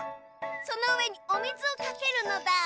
そのうえにおみずをかけるのだ。